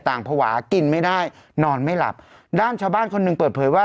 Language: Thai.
ภาวะกินไม่ได้นอนไม่หลับด้านชาวบ้านคนหนึ่งเปิดเผยว่า